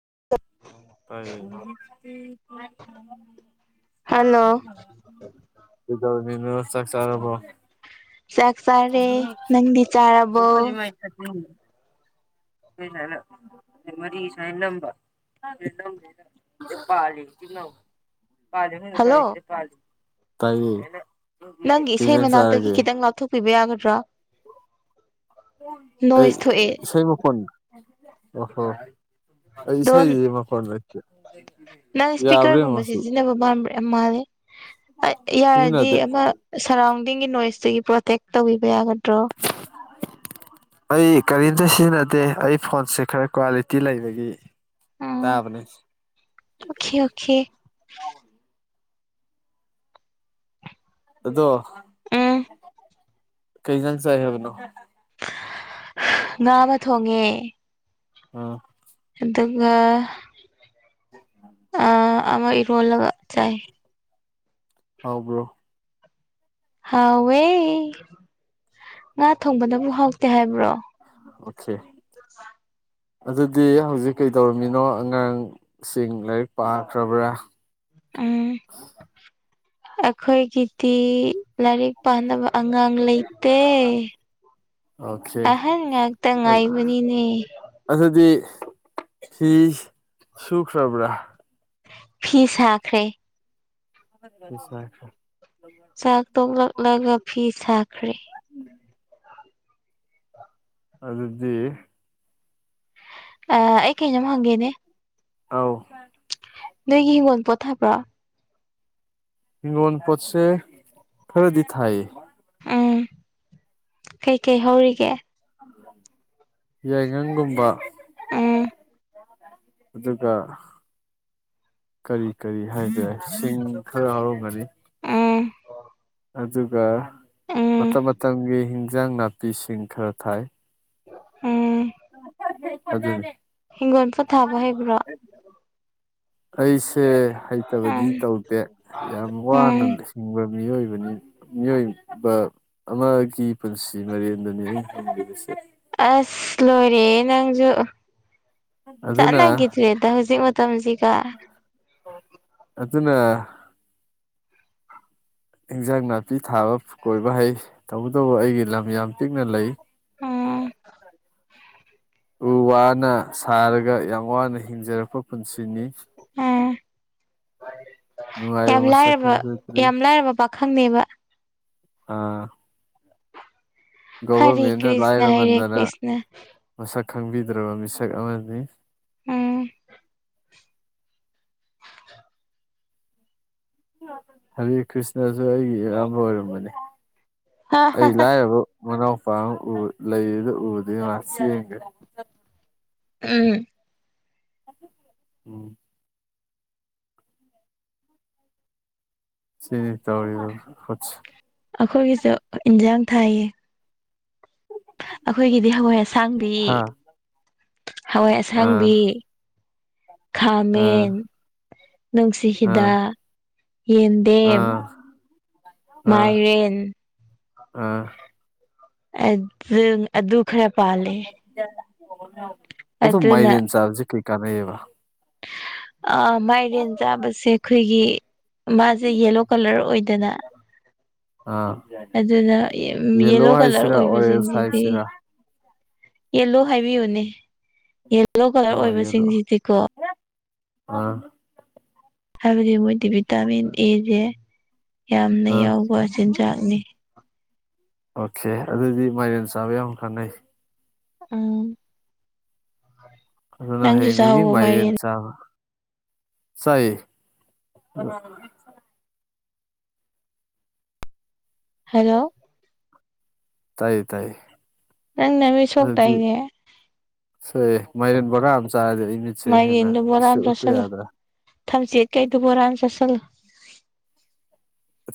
[inaudible] [unintelligible] Hello ꯀꯩꯗꯧꯔꯤꯅꯣ ꯆꯥꯛ ꯆꯥꯔꯔꯕꯣ ꯆꯥꯛ ꯆꯥꯔꯦ ꯅꯪꯗꯤ ꯆꯥꯔꯕꯣ [unintelligible] [unintelligible] ꯍꯜꯂꯣ [unintelligible] ꯅꯪꯒꯤ ꯀꯩ ꯏꯁꯩ ꯏꯟꯖꯥꯡ ꯃꯅꯥꯛꯇꯒꯤ ꯆꯥꯔꯒꯦ ꯈꯤꯇꯪ ꯂꯥꯞꯊꯣꯛꯄꯤꯕ ꯌꯥꯒꯗ꯭ꯔꯥ ꯅꯣꯏꯁ ꯊꯣꯛꯑꯦ [unintelligible] ꯑꯩ ꯗꯣꯟ ꯏꯁꯩ ꯃꯈꯣꯟ ꯂꯩꯇꯦ ꯅꯪ ꯌꯥꯕ꯭ꯔꯥ ꯏꯁꯄꯤꯀꯔꯒꯨꯝꯕ ꯌꯦꯡꯉꯣ ꯁꯤ ꯁꯤꯖꯤꯟꯅꯕ [unintelligible] ꯌꯥꯔꯗꯤ ꯁꯤꯖꯤꯟꯅꯗꯦ ꯑꯃ ꯁꯔꯥꯎ [unintelligible] ꯅꯣꯏꯁꯇꯨꯒꯤ ꯄ꯭ꯔꯣꯇꯦꯛ ꯇꯧꯕꯤꯕ ꯌꯥꯒꯗ꯭ꯔꯣ ꯑꯩ ꯀꯔꯤꯝꯇ ꯁꯤꯖꯤꯟꯅꯗꯦ ꯑꯩ ꯐꯣꯟꯁꯦ ꯈꯔ ꯀ꯭ꯋꯥꯂꯤꯇꯤ ꯂꯩꯕꯒꯤ ꯑꯣ ꯇꯥꯕꯅꯦ ꯑꯣꯈꯦ ꯑꯣꯈꯦ ꯑꯗꯣ ꯎꯝ ꯀꯩꯖꯥꯡ ꯆꯥꯏ ꯍꯥꯏꯕꯅꯣ ꯉꯥ ꯑꯃꯥ ꯊꯣꯡꯉꯦ ꯑ ꯑꯗꯨꯒ ꯑꯃ ꯏꯔꯣꯜꯂꯒꯥ ꯆꯥꯏ ꯍꯥꯎꯕ꯭ꯔꯣ ꯍꯥꯎꯋꯦ ꯉꯥ ꯊꯣꯡꯕꯗꯕꯨ ꯍꯥꯎꯇꯦ ꯍꯥꯏꯕ꯭ꯔꯣ ꯑꯣꯈꯦ [inaudible] ꯑꯗꯨꯗꯤ ꯍꯧꯖꯤꯛ ꯀꯩ ꯇꯧꯔꯝꯃꯤꯅꯣ ꯑꯉꯥꯡꯁꯤꯡ ꯂꯥꯏꯔꯤꯛ ꯄꯥꯈ꯭ꯔꯕ꯭ꯔꯥ ꯎꯝ ꯑꯩꯈꯣꯏꯒꯤꯗꯤ ꯂꯥꯏꯔꯤꯛ ꯄꯥꯅꯕ ꯑꯉꯥꯡ ꯂꯩꯇꯦ ꯑꯣꯀꯦ ꯑꯍꯟ ꯉꯥꯛꯇ ꯉꯥꯏꯕꯅꯤꯅꯦ ꯑꯗꯨꯗꯤ ꯐꯤ ꯁꯨꯈ꯭ꯔꯕ꯭ꯔꯥ ꯐꯤ ꯁꯥꯈ꯭ꯔꯦ [unintelligible] ꯆꯥꯛ ꯇꯣꯛꯂꯛꯂꯒ ꯐꯤ ꯁꯥꯈ꯭ꯔꯦ ꯑꯗꯨꯗꯤ ꯑ ꯑꯩ ꯀꯩꯅꯣꯝ ꯍꯪꯒꯦꯅꯦ ꯑꯥꯎ ꯅꯣꯏꯒꯤ ꯍꯤꯡꯒꯣꯜꯟ ꯄꯣꯠꯊꯥꯕ꯭ꯔꯣ ꯍꯒꯣꯜ ꯄꯣꯠꯁꯦ ꯈꯔꯗꯤ ꯊꯥꯏ ꯎꯝ ꯀꯩ ꯀꯩ ꯍꯧꯔꯤꯒꯦ ꯌꯥꯏꯉꯪ ꯒꯨꯝꯕ ꯎꯝ ꯑꯗꯨ ꯀ ꯀꯔꯤ ꯀꯔꯤ ꯍꯥꯏꯒꯔꯦ ꯁꯤꯡ ꯈꯔ ꯍꯧꯔꯝꯒꯅꯤ ꯑ ꯑꯗꯨꯒ ꯃꯇꯝ ꯃꯇꯝꯒꯤ ꯍꯤꯟꯖꯥꯡ ꯅꯥꯄꯤꯁꯤꯡ ꯈꯔ ꯊꯥꯏ ꯑꯣ ꯍꯦ ꯍꯤꯡꯒꯣꯜ ꯄꯣꯊꯥꯕ ꯍꯩꯕ꯭ꯔꯥ ꯑꯩꯁꯦ ꯍꯩꯇꯕꯗꯤ ꯎꯝ ꯇꯧꯗꯦ ꯌꯥꯝ ꯋꯥꯅ ꯎꯝ ꯍꯤꯡꯕ ꯃꯤꯑꯣꯏꯕꯅꯤ ꯃꯤꯑꯣꯏꯕ ꯑꯃꯒꯤ ꯄꯨꯟꯁꯤ ꯃꯔꯦꯟꯗꯅꯤ ꯑꯩꯅ ꯍꯪꯂꯤꯕꯁꯦ ꯑꯁ ꯂꯣꯏꯔꯦ ꯅꯪꯁꯨ ꯑꯗꯨꯅ ꯆꯉꯒꯗ꯭ꯦ ꯑꯗ ꯍꯧꯖꯤꯛ ꯃ ꯃꯇꯝ ꯃꯁꯤꯒ ꯑꯗꯨꯅ ꯏꯟꯖꯥꯡ ꯅꯥꯄꯤ ꯊꯥꯕ ꯀꯣꯏꯕ ꯍꯩ ꯇꯧꯕꯇꯕꯨ ꯑꯩꯒꯤ ꯂꯝ ꯌꯥꯝ ꯄꯤꯛꯅ ꯂꯩ ꯎꯝ ꯎ ꯋꯥꯅ ꯁꯥꯔꯒ ꯌꯥꯝ ꯋꯥꯅ ꯍꯤꯡꯖꯔꯛꯄ ꯄꯨꯟꯁꯤꯅꯤ ꯎꯝ ꯅꯨꯡꯉꯥꯏꯕ ꯌꯥꯝ ꯃꯁꯛ ꯂꯥꯏꯔꯕ ꯈꯪꯖꯗ꯭ꯔꯤ ꯌꯥꯝ ꯂꯥꯏꯔꯕ ꯄꯥꯈꯪꯅꯦꯕ ꯑꯥ ꯍꯔꯦ ꯒꯣꯚꯔꯃꯦꯟꯅ ꯀ꯭ꯔꯤꯁꯅ ꯍꯔꯦ ꯂꯥꯏꯔꯃꯟꯗꯅ ꯀ꯭ꯔꯤꯁꯅ ꯃꯁꯛ ꯈꯪꯕꯤ ꯗ꯭ꯔꯕ ꯃꯤꯁꯛ ꯑꯃꯅꯤ ꯎꯝ ꯍꯔꯦ ꯀ꯭ꯔꯤꯁꯅꯁ ꯑꯗꯨ ꯑꯩꯒꯤ ꯑꯌꯥꯝꯕ ꯑꯣꯏꯔꯝꯕꯅꯤ ꯑꯩ ꯂꯥꯏꯔꯕ ꯃꯅꯥꯎꯄꯥ ꯑꯃ ꯂꯩꯗ ꯎꯗꯦ ꯉ ꯌꯦꯡꯒꯦ ꯎꯝ ꯎꯝ ꯁꯤꯔꯤ ꯇꯧꯔꯤ ꯑꯩꯈꯣꯏꯒꯤꯁꯨ ꯏꯟꯁꯥꯡ ꯊꯥꯏꯌꯦ ꯑꯩꯈꯣꯏꯒꯤꯗꯤ ꯍꯋꯥꯏ ꯑꯁꯥꯡꯕꯤ ꯍꯥ ꯍꯋꯥꯏ ꯑꯥ ꯑꯁꯥꯡꯕꯤ ꯑꯥ ꯈꯥꯃꯦꯟ ꯅꯨꯡꯁꯤ ꯑꯥ ꯍꯗ ꯌꯦꯟꯗꯦꯝ ꯑꯥ ꯃꯥꯏꯔꯦꯟ ꯑ ꯑ ꯗꯨ ꯈꯔ ꯄꯥꯂꯦ ꯑꯊ ꯃꯥꯏꯅꯦꯦꯟ ꯆꯥꯔꯁꯤꯦ ꯀꯩꯀꯥꯅ ꯑꯦꯕ ꯑ ꯃꯥꯏꯔꯦꯟ ꯆꯥꯕꯁꯦ ꯑꯩꯈꯣꯏꯒꯤ ꯃꯥꯁꯦ ꯌꯦꯂꯣ ꯀꯂꯔ ꯑꯣꯏꯗꯅ ꯑꯥ ꯑꯗꯨꯅ ꯌꯦꯂꯣ ꯌꯦꯜꯂꯣ ꯀꯂꯔ ꯍꯥꯏꯁꯤꯔꯥ ꯑꯣꯔꯦꯟꯖ ꯑꯣꯏꯕꯁꯤꯡꯁꯤꯗꯤ ꯍꯥꯏꯁꯤꯔꯥ ꯌꯦꯂꯨ ꯍꯥꯏꯕꯤꯌꯨꯅꯦ ꯌꯦꯂꯣ ꯀꯂꯔ ꯑꯣ ꯌꯦꯂꯣ ꯑꯣꯏꯕꯁꯤꯡꯁꯤꯗꯤꯀꯣ ꯑꯥ ꯍꯥꯏꯕꯗꯤ ꯃꯣꯏꯗꯤ ꯚꯤꯇꯥꯃꯤꯟ ꯑꯦꯁꯦ ꯌꯥꯝꯅ ꯑꯥ ꯌꯥꯎꯕ ꯆꯤꯟꯖꯥꯛꯅꯤ ꯑꯣꯀꯦ ꯑꯗꯨꯗꯤ ꯃꯥꯏꯔꯦꯟ ꯆꯥꯕ ꯌꯥꯝ ꯀꯥꯟꯅꯩ ꯎꯝ ꯑꯗꯨꯅ ꯅꯪꯁꯨ ꯍꯌꯦꯡꯗꯒꯤ ꯆꯥꯍꯧꯕ ꯃꯥꯏꯔꯦꯟ ꯆꯥꯕ ꯁꯥꯏ ꯍꯜꯂꯣ ꯇꯥꯏ ꯇꯥꯏꯌꯦ ꯅꯪ ꯅ ꯃꯤꯁꯣꯛꯇ ꯑꯗꯨꯗꯤ ꯏꯦ ꯁꯣꯏꯑꯦ ꯃꯥꯏꯔꯦꯟ ꯕꯀꯥ ꯑꯃ ꯆꯥꯔꯗꯤ ꯑꯩꯃꯤꯠꯁꯦ ꯍꯦꯟꯅ ꯏꯁ ꯎꯛꯇ ꯌꯥꯗ꯭ꯔꯥ ꯊꯝꯁꯤ ꯀꯩ ꯇꯄꯔꯥꯟꯁ ꯆꯂ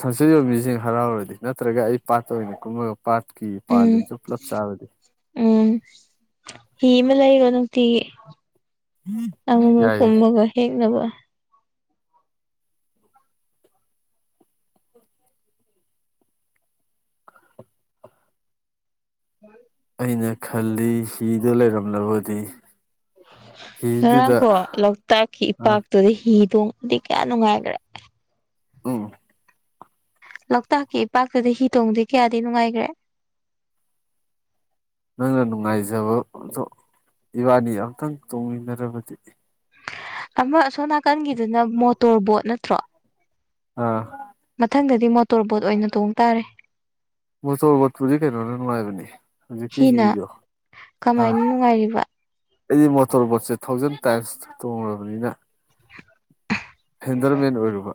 ꯊꯝꯁꯤ ꯌ ꯃꯤꯁꯤꯡ ꯍꯔꯥꯎꯔꯗꯤ ꯅꯠꯇ꯭ꯔꯒ ꯑꯩ ꯄꯥꯠꯇꯣꯏꯅꯤ ꯀꯨꯝꯃꯒ ꯄꯥꯠꯀꯤ ꯄꯥꯂꯤꯁꯨ ꯄꯨꯂꯞ ꯆꯥꯕꯗꯤ ꯏꯃꯦꯂ ꯑꯩ ꯅꯇꯤ ꯑ ꯃ ꯌꯥꯏꯌꯦ ꯀꯨꯝꯃꯒ ꯍꯦꯛ ꯅꯕ ꯎꯝ ꯑꯩꯅ ꯈꯜꯂꯤ ꯍꯤꯗ ꯂꯩꯔꯝꯂꯕꯗꯤ ꯉꯔꯥꯡ ꯍꯤꯗꯨꯗ ꯀꯣ ꯂꯣꯛꯇꯥꯛꯀꯤ ꯑꯥ ꯏꯄꯥꯛꯇꯨꯗꯤ ꯍꯤ ꯇꯣꯡꯗꯤ ꯀꯌꯥ ꯅꯨꯡꯉꯥꯏꯈ꯭ꯔꯦ ꯑ ꯂꯣꯛꯇꯥꯛꯀꯤ ꯏꯄꯥꯛꯇꯨꯗ ꯍꯤ ꯇꯣꯡꯗꯤꯦ ꯀꯌꯥꯗꯤ ꯅꯨꯡꯉꯥꯏꯈ꯭ꯔꯦ ꯅꯪꯅ ꯅꯨꯡꯉꯥꯏꯖꯕꯗꯣ ꯏꯕꯥꯅꯤ ꯑꯃꯨꯇꯪ ꯇꯣꯡꯃꯤꯟꯅꯔꯕꯗꯤ ꯑꯃ ꯑꯁꯣꯝ ꯅꯥꯀꯟꯒꯤꯗꯨꯅ ꯃꯣꯇꯣꯔ ꯕꯣꯠ ꯅꯠꯇ꯭ꯔꯣ ꯑꯥ ꯗꯤ ꯃꯣꯇꯣꯔ ꯕꯣꯠ ꯑꯣꯏꯅ ꯇꯣꯡ ꯇꯥꯔꯦ ꯃꯆꯧꯕꯣꯠꯄꯨꯗꯤ ꯀꯩꯅꯣꯗ ꯅꯨꯡꯉꯥꯏꯕꯅꯦ ꯍꯧꯖꯤꯛꯀꯤ ꯍꯤꯅ ꯁꯤꯗꯣ ꯀꯃꯥꯏꯅ ꯅꯨꯡꯉꯥꯏꯔꯤꯕ ꯑꯩꯗꯤ ꯃꯣꯇꯣꯔ ꯕꯣꯠꯁꯦ ꯊꯥꯎꯖꯟ ꯇꯥꯏꯝꯁ ꯇꯣꯡꯉꯕꯅꯤꯅ ꯍꯦꯟꯗꯔꯃꯦꯟ ꯑꯣꯏꯔꯨꯕ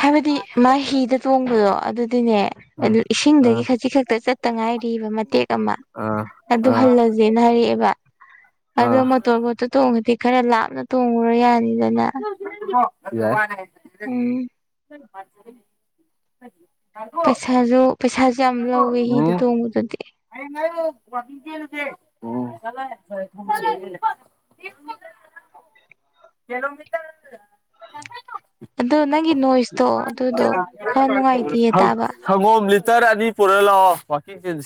ꯍꯥꯏꯕꯗꯤ ꯃꯥ ꯍꯤꯗ ꯇꯣꯡꯕꯗꯣ ꯑꯗꯨꯗꯤꯅꯦ ꯑꯥ ꯏꯁꯤꯡꯗꯒꯤ ꯑꯥ ꯈꯖꯤꯛ ꯈꯛꯇ ꯆꯠꯇ ꯉꯥꯏꯔꯤ ꯕ ꯃꯇꯦꯛ ꯑꯃ ꯑꯗꯨ ꯑꯥ ꯍꯜꯂꯁꯦꯅ ꯍꯥꯏꯔꯛꯑꯦꯕ ꯑꯗꯣ ꯑꯥ ꯃꯣꯇꯣꯔ ꯕꯣꯠꯇꯣ ꯇꯣꯡꯉꯗꯤ ꯈꯔ ꯂꯥꯞꯅ ꯇꯣꯡꯉꯨꯔꯣ ꯌꯥꯅꯤꯗꯅ ꯌꯥ ꯎꯝ ꯃꯖ ꯍꯥꯏ ꯄꯩꯁꯥꯁꯨ ꯄꯩꯁꯥ ꯣꯁꯦ ꯎ ꯆꯂꯥꯏ ꯊ ꯀꯩꯅꯣꯃꯤꯠꯇ ꯑꯗꯣ ꯅꯪꯒꯤ ꯅꯣꯏꯁꯇꯣ ꯑꯗꯨꯗꯣ ꯍꯪꯉꯣꯝ ꯈꯔ ꯅꯨꯡꯉꯥꯏꯇꯦꯌꯦ ꯇꯥꯕ ꯂꯤ ꯇ ꯑꯅꯤ ꯄꯨꯔꯣ ꯂ ꯋꯥꯀꯤ ꯆ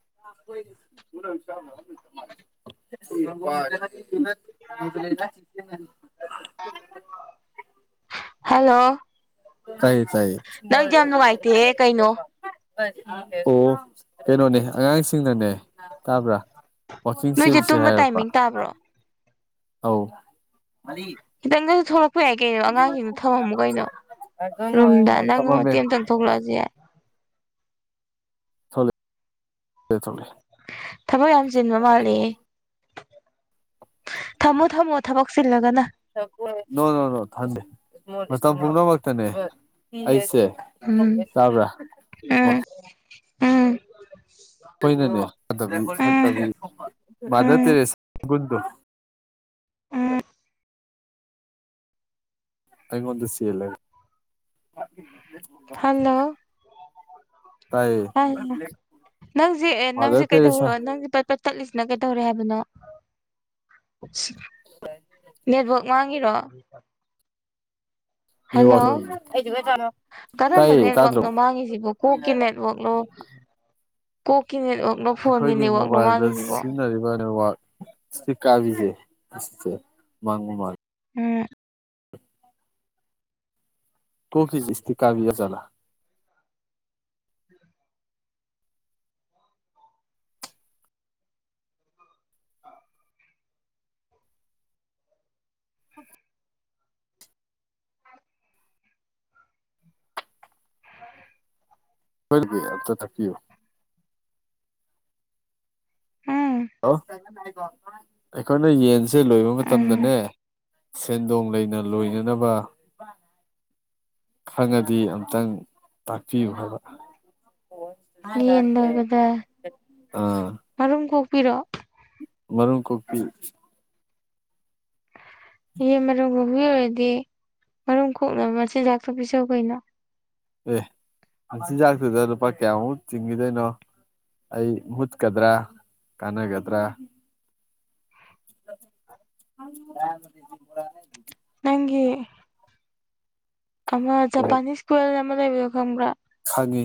[unintelligible] [unintelligible] [unintelligible] [unintelligible] [unintelligible] ꯍꯜꯂꯣ ꯇꯥꯏ ꯇꯥꯏ ꯅꯪꯁꯦ ꯌꯥꯝ ꯅꯨꯡꯉꯥꯏꯇꯦꯍꯦ ꯀꯩꯅꯣ ꯑꯣ ꯀꯩꯅꯣꯅꯦ ꯑꯉꯥꯡꯁꯤꯡꯅꯅꯦ ꯇꯥꯕ꯭ꯔꯥ ꯋꯥꯋꯀꯤꯡ ꯅꯣꯏꯁꯦ ꯁꯦꯜꯁꯦ ꯇꯨꯝꯕ ꯍꯥꯏꯔꯛꯄ ꯇꯥꯏꯃꯤꯡ ꯇꯥꯕ꯭ꯔꯣ ꯑ ꯗꯪꯁꯨ ꯊ ꯍ ꯌꯥꯏ ꯀꯩꯅꯣ ꯑꯉꯥꯡꯁꯤꯡꯗꯣ ꯊꯝꯃꯝꯃꯨ ꯀꯩꯅꯣ ꯔꯨꯝꯗ ꯅꯪ ꯊꯝꯃꯝꯃꯦ ꯃꯇꯦꯛ ꯑꯃꯇꯪ ꯊꯣꯛꯂꯛꯑꯁ ꯌꯥꯏ ꯊꯣꯛꯂꯦ ꯊ ꯊꯂꯦ ꯊꯕꯛ ꯌꯥꯝ ꯆꯤꯟꯕ ꯃꯥꯜꯂꯤ ꯊꯕꯛ ꯆꯤꯜꯂꯒꯅ ꯅ ꯅꯣ ꯅꯣ ꯊꯗ ꯃꯇꯝ ꯄꯨꯝꯅꯃꯛꯇꯅꯦ ꯑꯩꯁꯦ ꯎꯝ ꯆꯥꯕ꯭ꯔꯥ ꯎꯝ ꯎꯝ ꯎꯝ ꯍꯣꯏꯅꯅꯦ ꯃꯥꯗ ꯎꯝ ꯇꯔꯦꯁ ꯗ ꯑ ꯑꯩꯣꯟꯗ ꯁꯤ ꯂꯩ ꯑ ꯅꯪꯁꯤꯦ ꯅꯪꯁꯤ ꯃꯥꯗꯔ ꯇꯦꯔꯦꯁꯥ ꯀꯩꯗꯧꯔ ꯅꯪ ꯆꯠꯂꯤꯁꯤꯅ ꯀꯩꯗꯧꯔꯦ ꯍꯥꯏꯕꯅꯣ ꯅꯦꯠꯋꯛ ꯃꯥꯡꯉꯤꯔꯣ ꯅꯦꯠꯋꯥꯛ ꯍꯜꯂꯣ ꯀꯔꯝꯕ ꯇꯥꯏꯌꯦ ꯇꯥꯗ꯭ꯔꯣ ꯅꯦꯠꯋꯥꯛꯅꯣ ꯃꯥꯡꯉꯤꯁꯤꯕꯨ ꯀꯣꯛꯀꯤ ꯅꯦꯠꯋꯥꯛꯅꯣ ꯀꯣ ꯑꯩꯈꯣꯏꯒꯤ ꯃꯣꯕꯥꯏꯜꯗ ꯁꯤꯖꯤꯟꯅꯔꯤꯕ ꯅꯦꯠꯋꯥꯛ ꯁꯤ ꯀꯥꯕꯤꯁꯦ ꯑꯁꯦ ꯃꯥꯡꯒꯨ ꯃꯥꯜ ꯎꯝ ꯇꯣ ꯐꯖꯤ ꯏꯁꯇꯤ ꯀꯕꯤꯌ ꯆꯂ ꯐꯕꯤ ꯑ ꯊꯀꯤꯌꯣ ꯎꯝ ꯍꯜꯂꯣ ꯑꯩꯈꯣꯏꯅ ꯌꯦꯟꯁꯦ ꯂꯣꯏꯕ ꯎꯝ ꯃꯇꯝꯗꯅꯦ ꯁꯦꯟꯗꯣꯡ ꯂꯩꯅ ꯂꯣꯏꯅꯅꯕ ꯈꯪꯉꯗꯤ ꯑꯝꯇꯪ ꯇꯥꯛꯄꯤꯌꯨ ꯍꯥꯏꯕ ꯌꯦꯟꯗꯕꯗ ꯑꯥ ꯃꯔꯨꯝ ꯀ ꯄꯔꯛ ꯃꯔꯨꯝ ꯀꯣꯛꯄꯤ ꯌꯦ ꯃꯣ ꯑꯣꯏꯗꯤ ꯃꯔꯨꯝ ꯀꯣꯛꯅꯕ ꯃꯆꯤꯟꯖꯥꯛꯇ ꯄꯤꯖꯧ ꯀꯩꯅꯣ ꯑꯦ ꯆꯤꯟꯖꯥꯛꯁꯤꯨꯗ ꯂꯨꯄꯥ ꯀꯌꯥꯃꯨꯛ ꯆꯤꯡꯈꯤꯗꯣꯏꯅꯣ ꯑꯩ ꯃꯨꯠꯀꯗ꯭ꯔꯥ ꯀꯥꯟꯅꯒꯗ꯭ꯔꯥ [inaudible] ꯅꯪꯒꯤ ꯑꯃ ꯖꯄꯥꯅꯤꯁ ꯀꯜ ꯑꯃ ꯂꯩꯕꯌꯣ ꯈꯪꯕ꯭ꯔꯥ ꯈꯒꯦ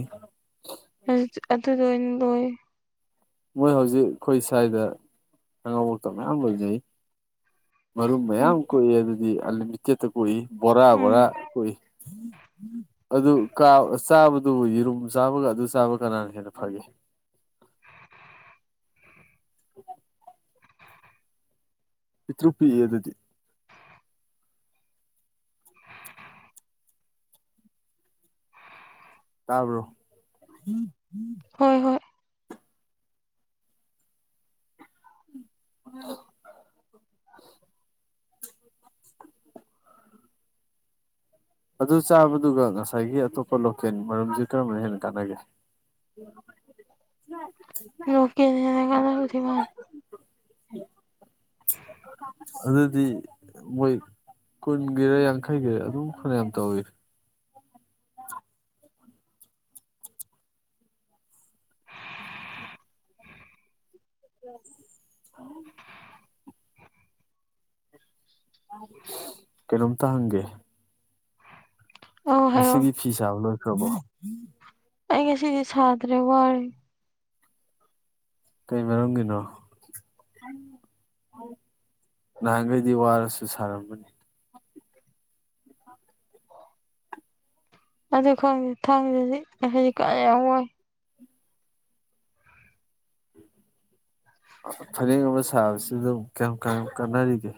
ꯇꯗ ꯂꯣꯏ ꯃꯣꯏ ꯍꯧꯖꯤꯛ ꯑꯩꯈꯣꯏ ꯁ꯭ꯋꯥꯏꯗ ꯑꯉꯧꯕꯛꯇ ꯃꯌꯥꯝ ꯂꯣꯏꯖꯩ ꯃꯔꯨꯝ ꯎꯝ ꯃꯌꯥꯝ ꯀꯣꯛꯏ ꯑꯗꯨꯗꯤ ꯑꯟꯂꯤꯃꯤꯇꯦꯠꯇ ꯀꯣꯛꯏ ꯕꯣꯔꯥ ꯕꯣꯔꯥ ꯎꯝ ꯀꯣꯛꯏ [inaudible] ꯑꯗꯨ ꯆꯥꯕꯗꯨ ꯌꯦꯔꯨꯝ ꯆꯥꯕꯒ ꯑꯗꯨ ꯆꯥꯕ ꯀꯅꯥꯅ ꯍꯦꯟꯅ ꯐꯒꯦ [inaudible] ꯄꯇꯄꯤ ꯌꯦꯗꯗꯤ ꯇꯥꯕ꯭ꯔꯣ ꯍꯣꯏ ꯍꯣꯏ ꯑ ꯑꯗꯨ ꯆꯥꯕꯗꯨꯒ ꯉꯁꯥꯏꯒꯤ ꯑꯇꯣꯞꯄ ꯂꯣꯀꯦꯜ ꯃꯔꯝꯁꯤ ꯀꯔꯝꯕꯅ ꯍꯦꯟꯅ ꯀꯥꯟꯅꯒꯦ ꯎꯝ ꯂꯅ ꯀꯗꯊꯃ ꯑꯗꯨꯗꯤ ꯃꯣꯏ ꯀꯨꯟꯒꯤꯔꯦ ꯌꯥꯡꯈꯩꯒꯤꯔ ꯑꯗꯨꯝ ꯔꯝ ꯇꯧꯋꯔ [inaudible] ꯎꯝ ꯀꯩꯅꯣꯝ ꯇꯥꯡꯒꯦ ꯑꯧ ꯍꯥꯏꯔꯛꯑꯣ ꯃꯁꯤꯒꯤ ꯐꯤꯁꯕ ꯂꯣꯏꯈ꯭ꯔꯕꯣ ꯑꯩ ꯉꯦꯁꯤꯗꯤ ꯁꯥꯗ꯭ꯔꯦ ꯋꯥꯦ ꯀꯩ ꯃꯔꯔꯒꯤꯗꯣ ꯅꯍꯥꯟꯈꯩꯗꯤ ꯋꯥꯔꯁꯨ ꯁꯥꯔꯝꯕꯅꯤ ꯑꯗꯨ ꯈꯪꯗꯦ ꯊꯥꯡꯗꯤ ꯍꯧꯖꯤꯛ ꯀꯥ ꯌꯥꯝ ꯋꯥꯏ ꯐꯅꯦꯛ ꯑꯃ ꯁꯥꯕꯁꯤ ꯑꯗꯨꯝ ꯀꯌꯥꯝ ꯀ ꯀꯥꯟꯅꯔꯤꯒꯦ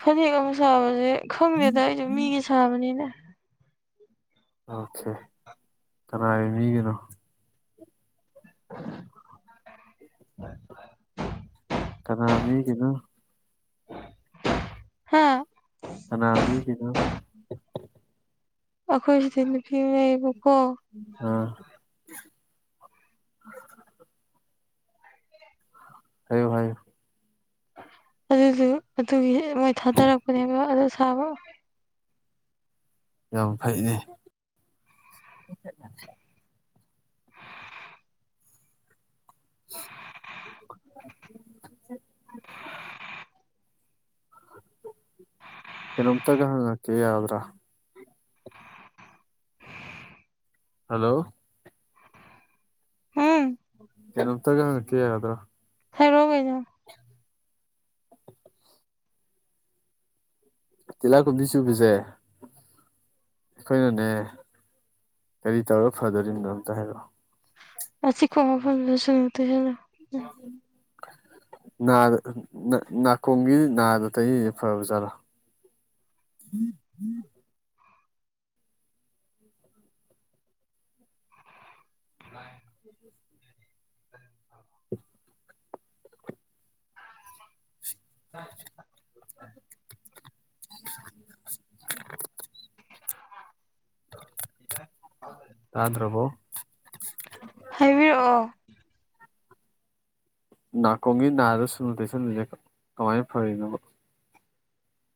ꯐꯅꯦꯛ ꯑꯃ ꯁꯥꯕꯁꯦ ꯈꯪꯗꯦꯗ ꯑꯩꯁꯨ ꯃꯤꯒꯤ ꯁꯥꯕꯅꯤꯅ ꯑꯣꯀꯦ ꯀꯅꯥꯒꯤ ꯃꯤꯒꯤꯅꯣ [inaudible] ꯀꯅꯥ ꯃꯤꯒꯤꯅꯣ ꯍꯥꯥ ꯀꯅꯥ ꯃꯤꯒꯤ ꯅꯣ ꯑꯩꯈꯣꯏ ꯁꯤꯗ ꯅꯨꯄꯤ ꯑꯃꯥ ꯂꯩꯕꯀꯣ ꯑꯥ ꯍꯥꯏꯌꯣ-ꯍꯥꯏꯌꯣ ꯑꯗꯨꯗꯨ ꯑꯗꯨꯒꯤ ꯃꯣꯏ ꯊꯥꯗꯔꯛꯄꯅꯦꯕ ꯑꯗꯨ ꯁꯥꯕ꯫ ꯌꯥꯝ ꯐꯩꯅꯦ ꯙ ꯀꯩꯅꯣꯝꯇꯒ ꯍꯪꯉꯛꯀꯦ ꯌꯥꯒꯗ꯭ꯔꯥ ꯍꯜꯂꯣ ꯍꯨꯝ ꯀꯩꯅꯣꯝꯇꯒ ꯍꯪꯂꯛꯀꯦ ꯌꯥꯒꯗ꯭ꯔꯥ ꯍꯥꯏꯔꯣ ꯀꯩꯅꯣ ꯇꯤꯜꯂꯥꯏꯈꯣꯝꯕꯤ ꯆꯨꯕꯖꯦ ꯑꯩꯈꯣꯏꯅꯅꯦ ꯀꯔꯤ ꯇꯧꯔ ꯐꯗꯣꯔꯤꯕꯅꯣ ꯑꯝꯇ ꯍꯥꯏꯔꯛꯑꯣ꯫ ꯑꯆꯤꯛꯄ ꯃꯐꯝꯗꯨꯗ ꯁꯨꯅꯨ ꯇꯩꯁꯜꯂꯣ ꯎ [inaudible] ꯅꯥꯗ ꯅꯥ-ꯅꯥꯀꯣꯡꯒꯤ ꯅꯥꯗ ꯇꯩꯔꯤꯖꯦ ꯐꯕ ꯖꯥꯠꯂꯥ ꯍꯤ [inaudible] ꯇꯥꯏ [inaudible] ꯌ ꯇꯥꯗ꯭ꯔꯕꯣ ꯍꯥꯏꯕꯤꯔꯛꯑꯣ ꯅꯥꯀꯣꯡꯒꯤ ꯅꯥꯗ ꯁꯨꯅꯨ ꯇꯩꯁꯟꯕꯖꯦ ꯀ-ꯀꯃꯥꯏꯅ ꯐꯔꯤꯅꯣꯕ꯫